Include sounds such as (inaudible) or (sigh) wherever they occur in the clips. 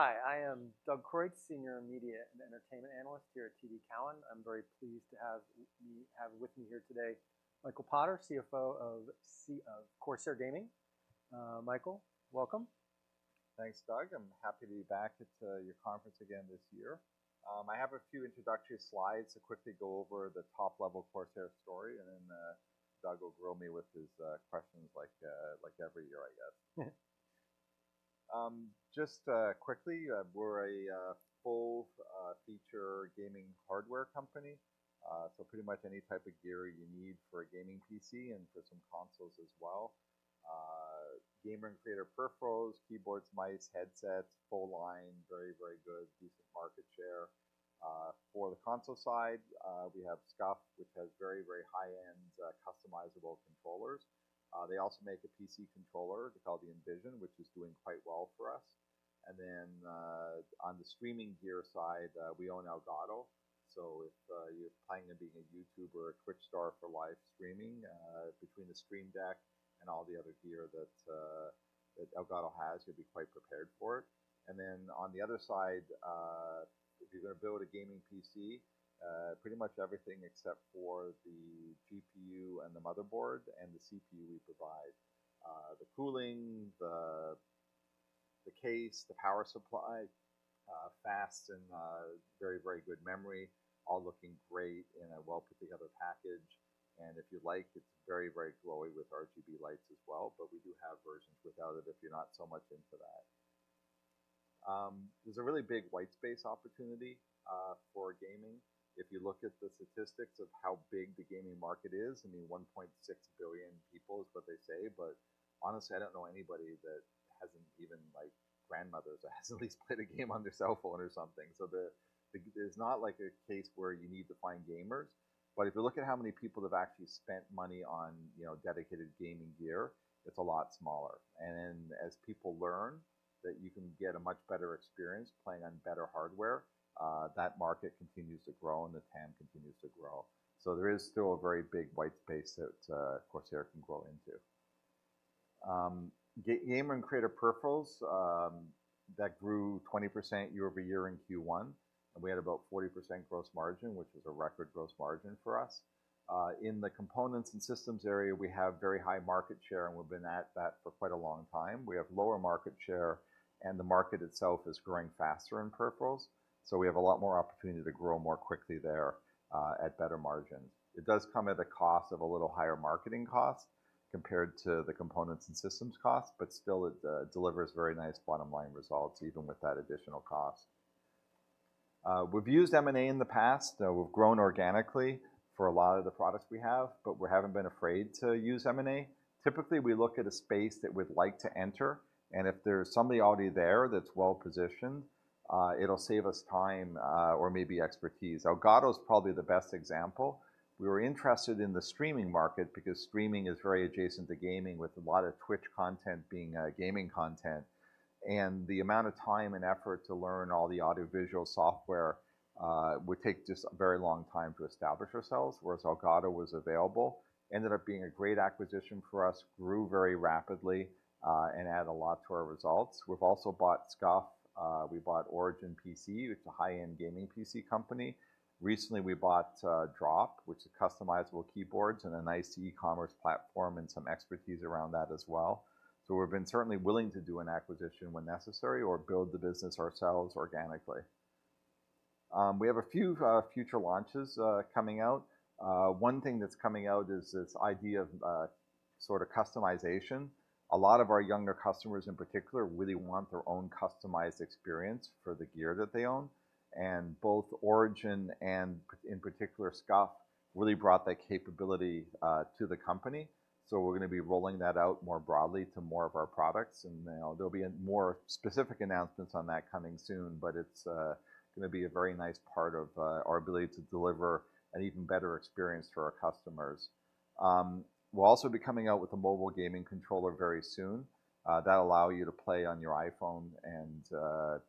Hi, I am Doug Creutz, senior media and entertainment analyst here at TD Cowen. I'm very pleased to have with me here today, Michael Potter, CFO of Corsair Gaming. Michael, welcome. Thanks, Doug. I'm happy to be back to your conference again this year. I have a few introductory slides to quickly go over the top-level Corsair story, and then, Doug will grill me with his questions like, like every year, I guess. Just quickly, we're a full feature gaming hardware company. So pretty much any type of gear you need for a gaming PC and for some consoles as well, gamer and creator peripherals, keyboards, mice, headsets, full line, very, very good, decent market share. For the console side, we have SCUF, which has very, very high-end customizable controllers. They also make a PC controller called the Envision, which is doing quite well for us. And then, on the streaming gear side, we own Elgato. So if you're planning on being a YouTuber or a Twitch star for live streaming, between the Stream Deck and all the other gear that that Elgato has, you'll be quite prepared for it. And then on the other side, if you're going to build a gaming PC, pretty much everything except for the GPU and the motherboard and the CPU we provide. The cooling, the case, the power supply, fast and very, very good memory, all looking great in a well put together package. And if you like, it's very, very glowy with RGB lights as well, but we do have versions without it, if you're not so much into that. There's a really big white space opportunity for gaming. If you look at the statistics of how big the gaming market is, I mean, 1.6 billion people is what they say, but honestly, I don't know anybody that hasn't even, like, grandmothers, that hasn't at least played a game on their cell phone or something. So it's not like a case where you need to find gamers, but if you look at how many people have actually spent money on, you know, dedicated gaming gear, it's a lot smaller. And as people learn that you can get a much better experience playing on better hardware, that market continues to grow, and the TAM continues to grow. So there is still a very big white space that Corsair can grow into. Gamer and creator peripherals that grew 20% year-over-year in Q1, and we had about 40% gross margin, which is a record gross margin for us. In the components and systems area, we have very high market share, and we've been at that for quite a long time. We have lower market share, and the market itself is growing faster in peripherals, so we have a lot more opportunity to grow more quickly there at better margins. It does come at a cost of a little higher marketing cost compared to the components and systems cost, but still, it delivers very nice bottom line results, even with that additional cost. We've used M&A in the past, though we've grown organically for a lot of the products we have, but we haven't been afraid to use M&A. Typically, we look at a space that we'd like to enter, and if there's somebody already there that's well-positioned, it'll save us time, or maybe expertise. Elgato is probably the best example. We were interested in the streaming market because streaming is very adjacent to gaming, with a lot of Twitch content being gaming content. And the amount of time and effort to learn all the audiovisual software would take just a very long time to establish ourselves, whereas Elgato was available. Ended up being a great acquisition for us, grew very rapidly, and added a lot to our results. We've also bought SCUF. We bought Origin PC, it's a high-end gaming PC company. Recently, we bought Drop, which is customizable keyboards and a nice e-commerce platform and some expertise around that as well. So we've been certainly willing to do an acquisition when necessary or build the business ourselves organically. We have a few future launches coming out. One thing that's coming out is this idea of sort of customization. A lot of our younger customers, in particular, really want their own customized experience for the gear that they own, and both Origin PC and, in particular, SCUF, really brought that capability to the company. So we're gonna be rolling that out more broadly to more of our products, and there'll be more specific announcements on that coming soon, but it's gonna be a very nice part of our ability to deliver an even better experience for our customers. We'll also be coming out with a mobile gaming controller very soon, that'll allow you to play on your iPhone and,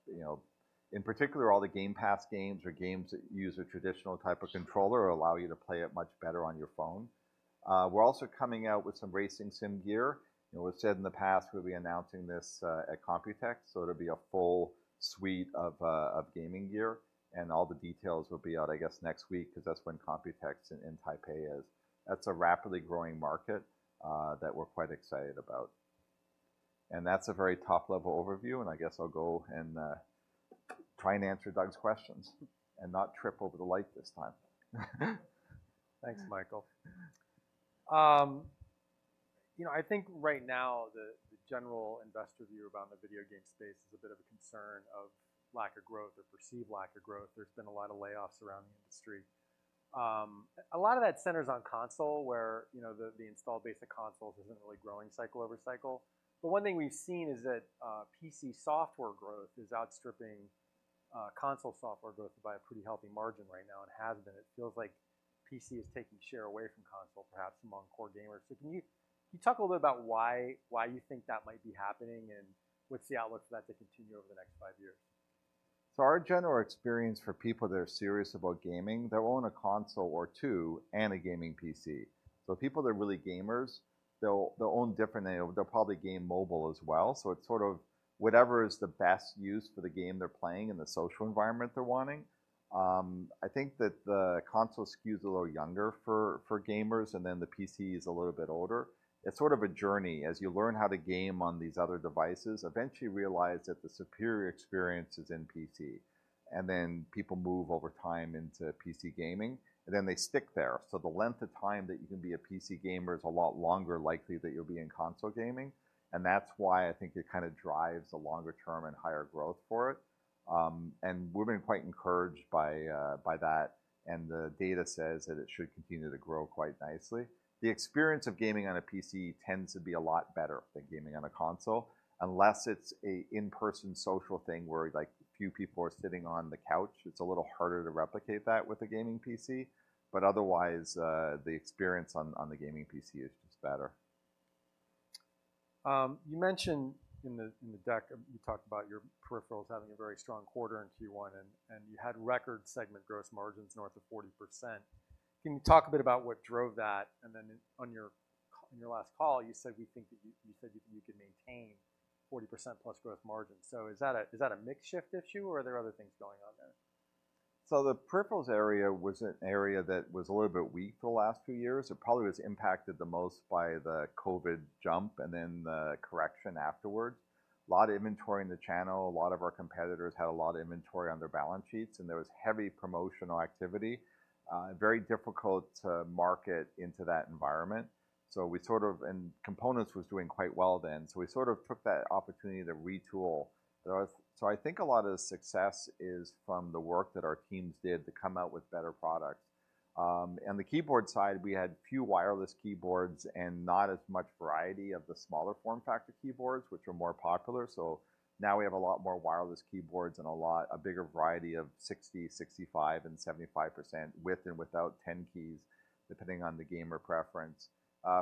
you know... In particular, all the Game Pass games or games that use a traditional type of controller will allow you to play it much better on your phone. We're also coming out with some racing sim gear. You know, we've said in the past we'll be announcing this at Computex, so it'll be a full suite of gaming gear, and all the details will be out, I guess, next week, because that's when Computex in Taipei is. That's a rapidly growing market that we're quite excited about. And that's a very top-level overview, and I guess I'll go and try and answer Doug's questions, and not trip over the light this time. Thanks, Michael. You know, I think right now, the general investor view about the video game space is a bit of a concern of lack of growth or perceived lack of growth. There's been a lot of layoffs around the industry. A lot of that centers on console, where, you know, the installed base of consoles isn't really growing cycle over cycle. But one thing we've seen is that PC software growth is outstripping console software growth by a pretty healthy margin right now, and has been. It feels like PC is taking share away from console, perhaps among core gamers. So can you talk a little bit about why you think that might be happening, and what's the outlook for that to continue over the next five years? So our general experience for people that are serious about gaming, they'll own a console or two and a gaming PC. So people that are really gamers, they'll own different, they'll probably game mobile as well. So it's sort of whatever is the best use for the game they're playing and the social environment they're wanting. I think that the console skews a little younger for gamers, and then the PC is a little bit older. It's sort of a journey. As you learn how to game on these other devices, eventually you realize that the superior experience is in PC, and then people move over time into PC gaming, and then they stick there. So the length of time that you can be a PC gamer is a lot longer, likely, than you'll be in console gaming, and that's why I think it kind of drives the longer term and higher growth for it. We've been quite encouraged by, by that, and the data says that it should continue to grow quite nicely. The experience of gaming on a PC tends to be a lot better than gaming on a console, unless it's an in-person social thing where, like, a few people are sitting on the couch. It's a little harder to replicate that with a gaming PC, but otherwise, the experience on, on the gaming PC is just better. You mentioned in the deck you talked about your peripherals having a very strong quarter in Q1, and you had record segment gross margins north of 40%. Can you talk a bit about what drove that? And then on your last call, you said you could maintain 40% plus gross margin. So is that a mix shift issue or are there other things going on there? So the peripherals area was an area that was a little bit weak for the last few years. It probably was impacted the most by the COVID jump and then the correction afterwards. A lot of inventory in the channel. A lot of our competitors had a lot of inventory on their balance sheets, and there was heavy promotional activity, very difficult to market into that environment. So we sort of and components was doing quite well then, so we sort of took that opportunity to retool. So I think a lot of the success is from the work that our teams did to come out with better products. On the keyboard side, we had few wireless keyboards and not as much variety of the smaller form factor keyboards, which are more popular. So now we have a lot more wireless keyboards and a bigger variety of 60%, 65, and 75% with and without 10-key, depending on the gamer preference.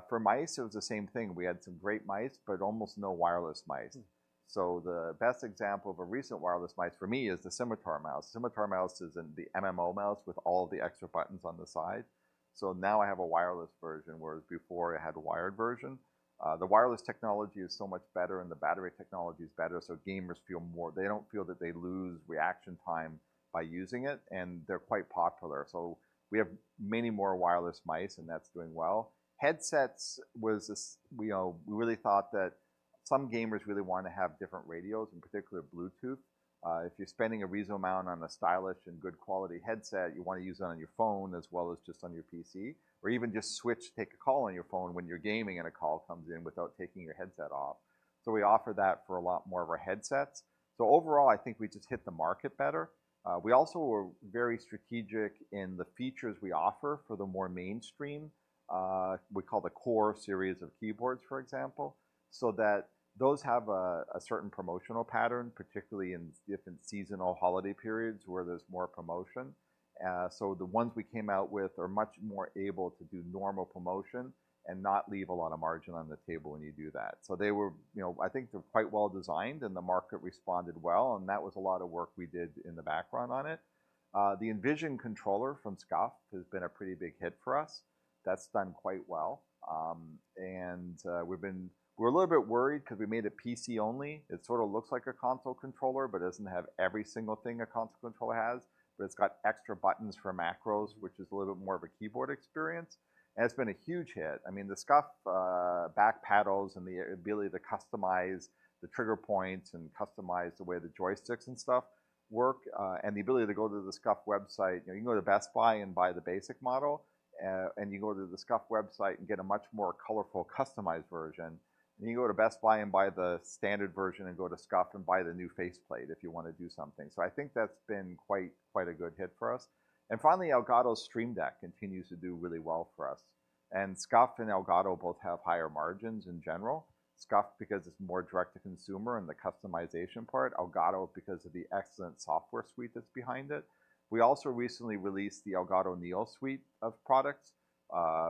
For mice, it was the same thing. We had some great mice, but almost no wireless mice. So the best example of a recent wireless mouse for me is the Scimitar mouse. Scimitar mouse is an MMO mouse with all the extra buttons on the side. So now I have a wireless version, whereas before I had a wired version. The wireless technology is so much better and the battery technology is better, so gamers feel more. They don't feel that they lose reaction time by using it, and they're quite popular. So we have many more wireless mice, and that's doing well. Headsets was this—you know, we really thought that some gamers really want to have different radios, in particular Bluetooth. If you're spending a reasonable amount on a stylish and good quality headset, you want to use it on your phone as well as just on your PC, or even just switch, take a call on your phone when you're gaming and a call comes in without taking your headset off. So we offer that for a lot more of our headsets. So overall, I think we just hit the market better. We also were very strategic in the features we offer for the more mainstream, we call the core series of keyboards, for example, so that those have a certain promotional pattern, particularly in different seasonal holiday periods where there's more promotion. So the ones we came out with are much more able to do normal promotion and not leave a lot of margin on the table when you do that. So they were, you know, I think they're quite well designed, and the market responded well, and that was a lot of work we did in the background on it. The Envision controller from SCUF has been a pretty big hit for us. That's done quite well. And we've been—we're a little bit worried 'cause we made it PC only. It sort of looks like a console controller, but doesn't have every single thing a console controller has. But it's got extra buttons for macros, which is a little bit more of a keyboard experience, and it's been a huge hit. I mean, the SCUF, back paddles and the ability to customize the trigger points and customize the way the joysticks and stuff work, and the ability to go to the SCUF website. You know, you can go to Best Buy and buy the basic model, and you go to the SCUF website and get a much more colorful, customized version. Then you go to Best Buy and buy the standard version and go to SCUF and buy the new faceplate if you want to do something. So I think that's been quite, quite a good hit for us. And finally, Elgato's Stream Deck continues to do really well for us. And SCUF and Elgato both have higher margins in general. SCUF, because it's more direct to consumer and the customization part. Elgato, because of the excellent software suite that's behind it. We also recently released the Elgato Neo suite of products,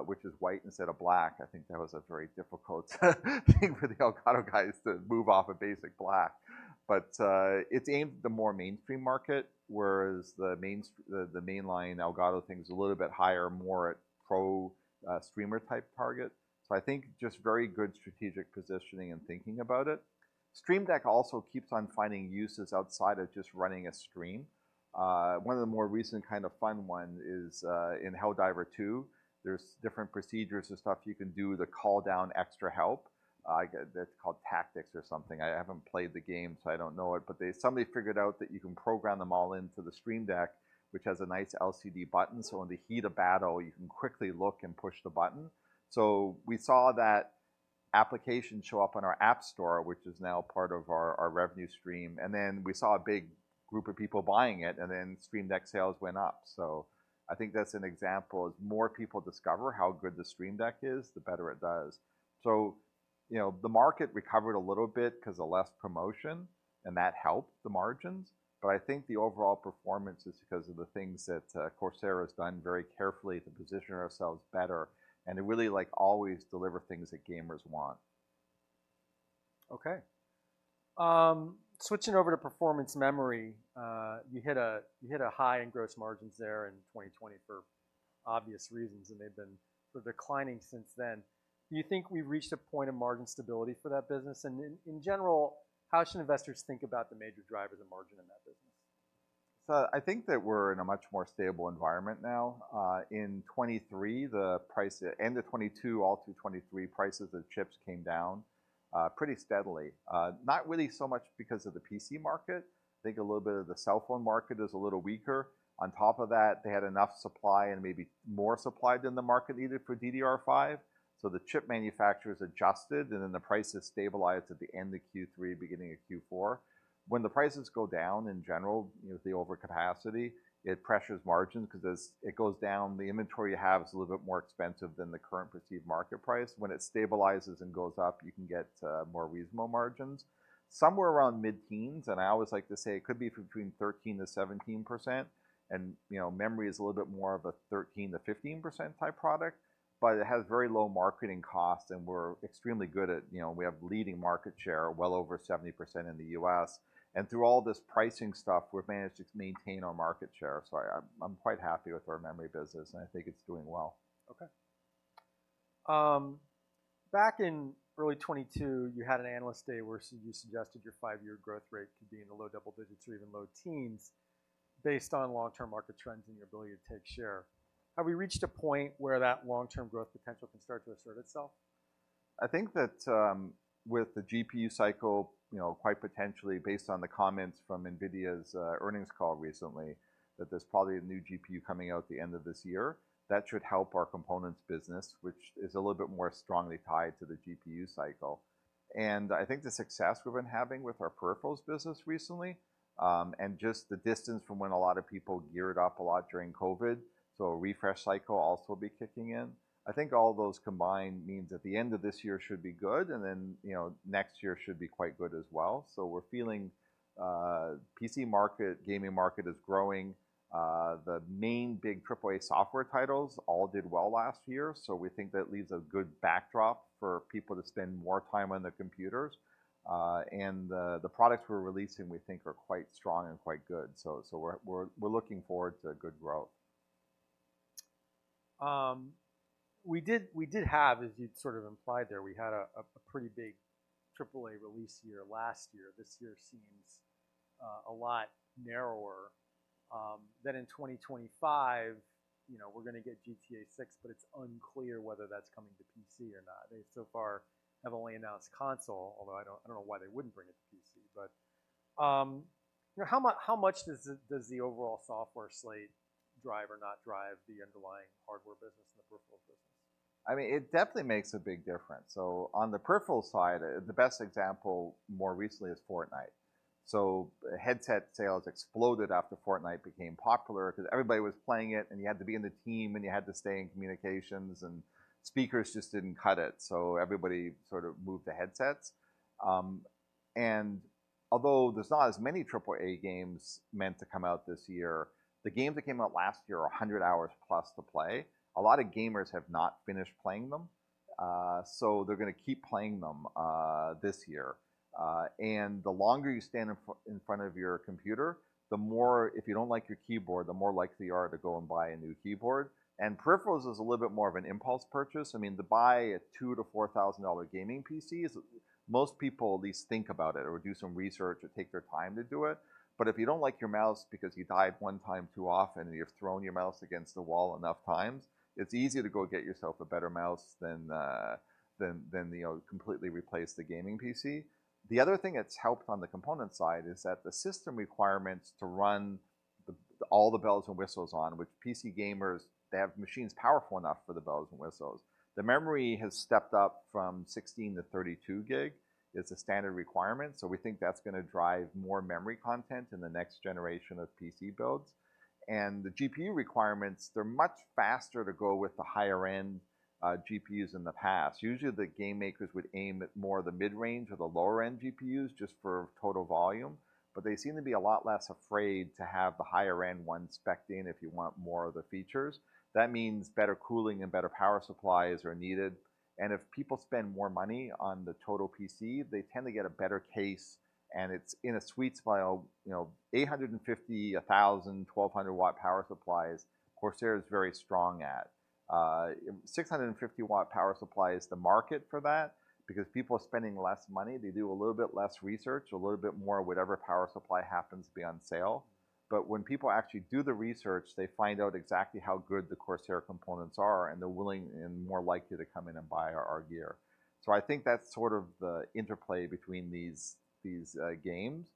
which is white instead of black. I think that was a very difficult thing for the Elgato guys to move off of basic black. But it's aimed at the more mainstream market, whereas the mainline Elgato thing is a little bit higher, more pro streamer type target. So I think just very good strategic positioning and thinking about it. Stream Deck also keeps on finding uses outside of just running a stream. One of the more recent kind of fun one is in Helldivers 2. There's different procedures and stuff you can do to call down extra help. That's called tactics or something. I haven't played the game, so I don't know it, but they, somebody figured out that you can program them all into the Stream Deck, which has a nice LCD button, so in the heat of battle, you can quickly look and push the button. So we saw that application show up on our App Store, which is now part of our, our revenue stream, and then we saw a big group of people buying it, and then Stream Deck sales went up. So I think that's an example. As more people discover how good the Stream Deck is, the better it does. So, you know, the market recovered a little bit 'cause of less promotion, and that helped the margins. I think the overall performance is because of the things that Corsair has done very carefully to position ourselves better, and it really, like, always deliver things that gamers want. Okay. Switching over to performance memory, you hit a high in gross margins there in 2020 for obvious reasons, and they've been sort of declining since then. Do you think we've reached a point of margin stability for that business? And in general, how should investors think about the major drivers of margin in that business? So I think that we're in a much more stable environment now. In 2023, the prices end of 2022 all through 2023, prices of chips came down pretty steadily. Not really so much because of the PC market. I think a little bit of the cell phone market is a little weaker. On top of that, they had enough supply and maybe more supply than the market needed for DDR5, so the chip manufacturers adjusted, and then the prices stabilized at the end of Q3, beginning of Q4. When the prices go down in general, you know, with the overcapacity, it pressures margins, 'cause as it goes down, the inventory you have is a little bit more expensive than the current perceived market price. When it stabilizes and goes up, you can get more reasonable margins. Somewhere around mid-teens, and I always like to say it could be between 13%-17%, and, you know, memory is a little bit more of a 13%-15% type product, but it has very low marketing costs, and we're extremely good at, you know, we have leading market share, well over 70% in the U.S. And through all this pricing stuff, we've managed to maintain our market share. So I, I'm quite happy with our memory business, and I think it's doing well. Okay. Back in early 2022, you had an analyst day where you suggested your five-year growth rate could be in the low double digits or even low teens, based on long-term market trends and your ability to take share. Have we reached a point where that long-term growth potential can start to assert itself? I think that, with the GPU cycle, you know, quite potentially, based on the comments from NVIDIA's earnings call recently, that there's probably a new GPU coming out at the end of this year. That should help our components business, which is a little bit more strongly tied to the GPU cycle. And I think the success we've been having with our peripherals business recently, and just the distance from when a lot of people geared up a lot during COVID, so a refresh cycle will also be kicking in. I think all those combined means that the end of this year should be good, and then, you know, next year should be quite good as well. So we're feeling, PC market, gaming market is growing. The main big AAA software titles all did well last year, so we think that leaves a good backdrop for people to spend more time on their computers. And the products we're releasing, we think are quite strong and quite good. So we're looking forward to a good growth. We did have, as you'd sort of implied there, we had a pretty big AAA release year last year. This year seems a lot narrower than in 2025. You know, we're gonna get GTA VI, but it's unclear whether that's coming to PC or not. They so far have only announced console, although I don't know why they wouldn't bring it to PC. But you know, how much does the overall software slate drive or not drive the underlying hardware business and the peripherals business? I mean, it definitely makes a big difference. So on the peripherals side, the best example more recently is Fortnite. So headset sales exploded after Fortnite became popular because everybody was playing it, and you had to be in the team, and you had to stay in communications, and speakers just didn't cut it. So everybody sort of moved to headsets. And although there's not as many AAA games meant to come out this year, the games that came out last year are 100+ hours to play. A lot of gamers have not finished playing them, so they're gonna keep playing them this year. And the longer you stand in front of your computer, the more—If you don't like your keyboard, the more likely you are to go and buy a new keyboard. Peripherals is a little bit more of an impulse purchase. I mean, to buy a $2,000-$4,000 gaming PC is, most people at least think about it or do some research or take their time to do it. But if you don't like your mouse because you died one time too often, and you've thrown your mouse against the wall enough times, it's easier to go get yourself a better mouse than, than, you know, completely replace the gaming PC. The other thing that's helped on the component side is that the system requirements to run all the bells and whistles on, which PC gamers, they have machines powerful enough for the bells and whistles. The memory has stepped up from 16 GB to 32 GB. It's a standard requirement, so we think that's gonna drive more memory content in the next generation of PC builds. And the GPU requirements, they're much faster to go with the higher-end GPUs in the past. Usually, the game makers would aim at more the mid-range or the lower-end GPUs just for total volume, but they seem to be a lot less afraid to have the higher-end ones spec'd in if you want more of the features. That means better cooling and better power supplies are needed. And if people spend more money on the total PC, they tend to get a better case, and it's in a sweet spot of, you know, 850 W, 1000 W, 1200 W power supplies, Corsair is very strong at. 650 W power supply is the market for that because people are spending less money. They do a little bit less research, a little bit more of whatever power supply happens to be on sale. But when people actually do the research, they find out exactly how good the Corsair components are, and they're willing and more likely to come in and buy our gear. So I think that's sort of the interplay between these games.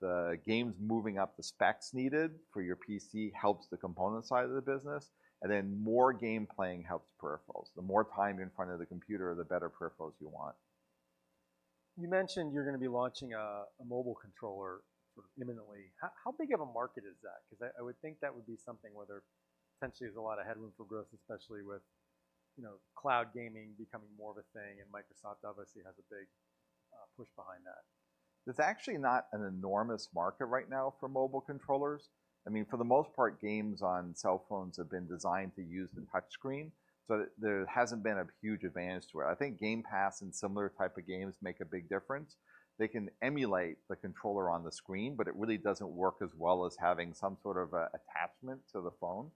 The games moving up the specs needed for your PC helps the component side of the business, and then more game playing helps peripherals. The more time in front of the computer, the better peripherals you want. You mentioned you're gonna be launching a mobile controller sort of imminently. How big of a market is that? 'Cause I would think that would be something where there potentially is a lot of headroom for growth, especially with, you know, cloud gaming becoming more of a thing, and Microsoft obviously has a big push behind that. There's actually not an enormous market right now for mobile controllers. I mean, for the most part, games on cell phones have been designed to use the touch screen, so there hasn't been a huge advantage to it. I think Game Pass and similar type of games make a big difference. They can emulate the controller on the screen, but it really doesn't work as well as having some sort of a attachment to the phone.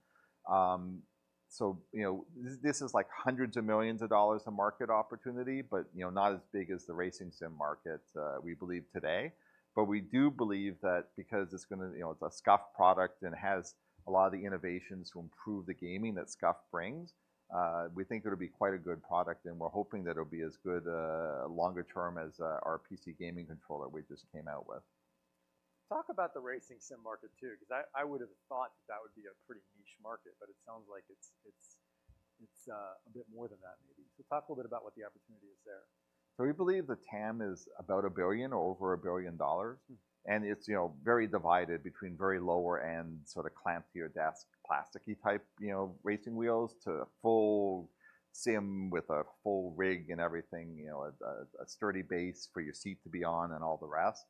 So you know, this is like hundreds of millions of dollars of market opportunity, but you know, not as big as the racing sim market, we believe today. But we do believe that because it's gonna, you know, it's a SCUF product and has a lot of the innovations to improve the gaming that SCUF brings, we think it'll be quite a good product, and we're hoping that it'll be as good, longer term as our PC gaming controller we just came out with. Talk about the racing sim market too, 'cause I would have thought that would be a pretty niche market, but it sounds like it's a bit more than that maybe. So talk a little bit about what the opportunity is there. So we believe the TAM is about $1 billion or over $1 billion, and it's, you know, very divided between very lower end, sort of clamp to your desk, plasticky type, you know, racing wheels, to a full sim with a full rig and everything, you know, a sturdy base for your seat to be on and all the rest.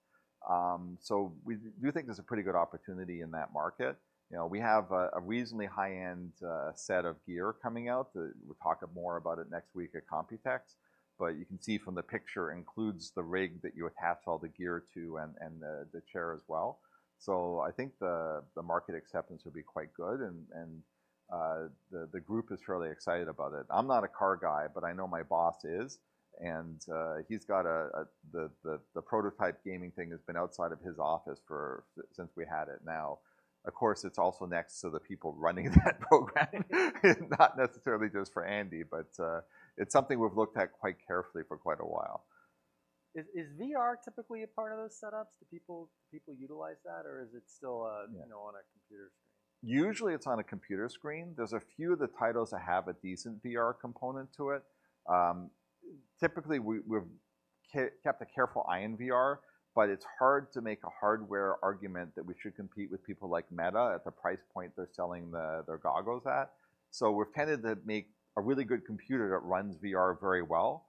So we do think there's a pretty good opportunity in that market. You know, we have a reasonably high-end set of gear coming out. We'll talk more about it next week at Computex. But you can see from the picture, includes the rig that you attach all the gear to and the chair as well. So I think the market acceptance will be quite good, and the group is fairly excited about it. I'm not a car guy, but I know my boss is, and he's got the prototype gaming thing has been outside of his office for, since we had it now. Of course, it's also next to the people running that program, not necessarily just for Andy, but it's something we've looked at quite carefully for quite a while. Is VR typically a part of those setups? Do people utilize that, or is it still, you know, on a computer screen? Usually, it's on a computer screen. There's a few of the titles that have a decent VR component to it. Typically, we've kept a careful eye on VR, but it's hard to make a hardware argument that we should compete with people like Meta at the price point they're selling their goggles at. So we've tended to make a really good computer that runs VR very well,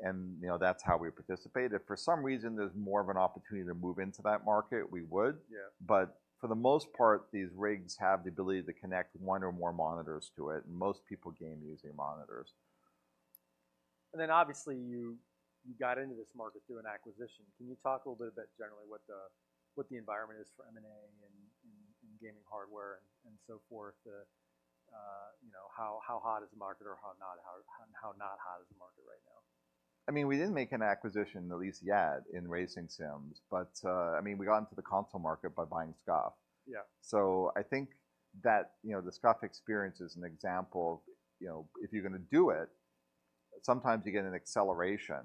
and, you know, that's how we participate. If for some reason there's more of an opportunity to move into that market, we would. Yeah. For the most part, these rigs have the ability to connect one or more monitors to it, and most people game using monitors. And then obviously, you got into this market through an acquisition. Can you talk a little bit about generally what the environment is for M&A in gaming hardware and so forth? You know, how hot is the market or how not hot is the market right now? I mean, we didn't make an acquisition, at least yet, in racing sims, but, I mean, we got into the console market by buying SCUF. Yeah. So I think that, you know, the SCUF experience is an example, you know, if you're gonna do it, sometimes you get an acceleration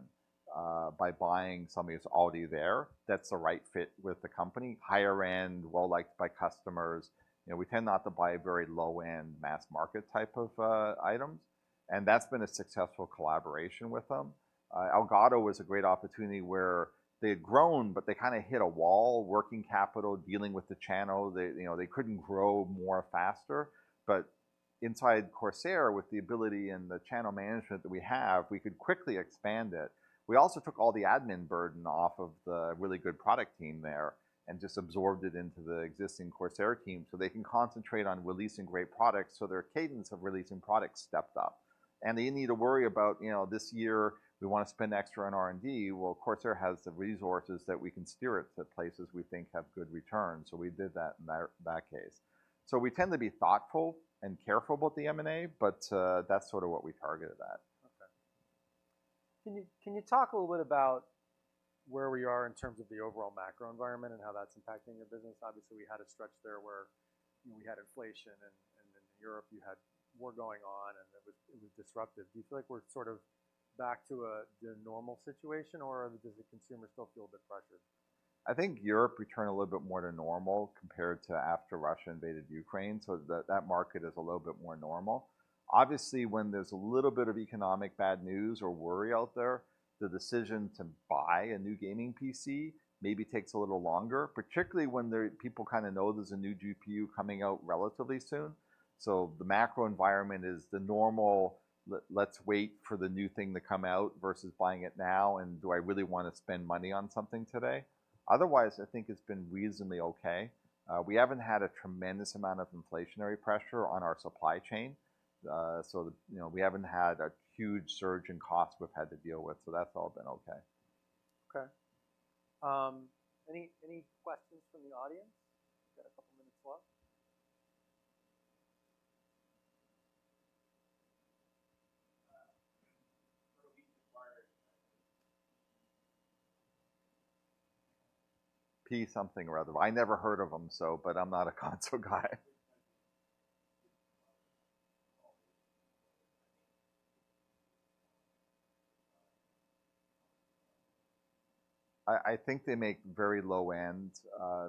by buying somebody that's already there, that's the right fit with the company, higher end, well-liked by customers. You know, we tend not to buy very low-end, mass market type of items, and that's been a successful collaboration with them. Elgato was a great opportunity where they had grown, but they kind of hit a wall, working capital, dealing with the channel. They, you know, they couldn't grow more faster. But inside Corsair, with the ability and the channel management that we have, we could quickly expand it. We also took all the admin burden off of the really good product team there and just absorbed it into the existing Corsair team, so they can concentrate on releasing great products, so their cadence of releasing products stepped up. And they didn't need to worry about, you know, this year, we want to spend extra on R&D. Well, Corsair has the resources that we can steer it to places we think have good returns, so we did that in that, that case. So we tend to be thoughtful and careful about the M&A, but that's sort of what we targeted at. Okay. Can you talk a little bit about where we are in terms of the overall macro environment and how that's impacting your business? Obviously, we had a stretch there where we had inflation, and in Europe, you had war going on, and it was disruptive. Do you feel like we're sort of back to the normal situation, or does the consumer still feel a bit pressured? I think Europe returned a little bit more to normal compared to after Russia invaded Ukraine, so that market is a little bit more normal. Obviously, when there's a little bit of economic bad news or worry out there, the decision to buy a new gaming PC maybe takes a little longer, particularly when people kinda know there's a new GPU coming out relatively soon. So the macro environment is the normal, let's wait for the new thing to come out versus buying it now, and do I really want to spend money on something today? Otherwise, I think it's been reasonably okay. We haven't had a tremendous amount of inflationary pressure on our supply chain. So, you know, we haven't had a huge surge in costs we've had to deal with, so that's all been okay. Okay. Any questions from the audience? We've got a couple minutes left. (audio distortion) P something or other. I never heard of them, so, but I'm not a console guy. I think they make very low-end,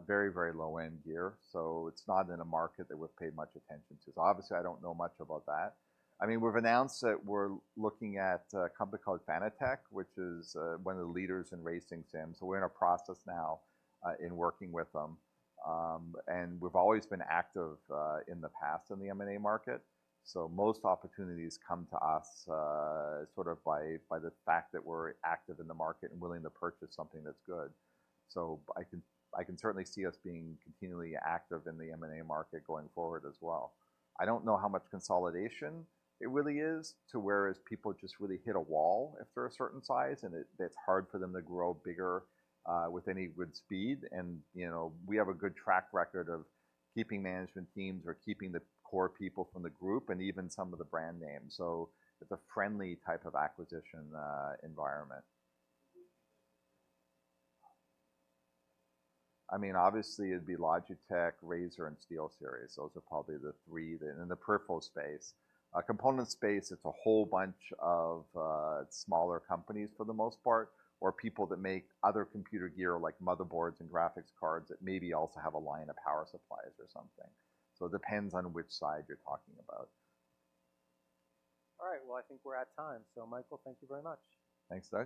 very, very low-end gear, so it's not in a market that we've paid much attention to. So obviously, I don't know much about that. I mean, we've announced that we're looking at a company called Fanatec, which is one of the leaders in racing sims. So we're in a process now in working with them. And we've always been active in the past in the M&A market. So most opportunities come to us sort of by the fact that we're active in the market and willing to purchase something that's good. So I can certainly see us being continually active in the M&A market going forward as well. I don't know how much consolidation it really is to whereas people just really hit a wall after a certain size, and it, it's hard for them to grow bigger, with any good speed. You know, we have a good track record of keeping management teams or keeping the core people from the group and even some of the brand names. So it's a friendly type of acquisition, environment. I mean, obviously, it'd be Logitech, Razer, and SteelSeries. Those are probably the three that in the peripheral space. Component space, it's a whole bunch of, smaller companies, for the most part, or people that make other computer gear, like motherboards and graphics cards, that maybe also have a line of power supplies or something. So it depends on which side you're talking about. All right, well, I think we're at time. So, Michael, thank you very much. Thanks, Doug.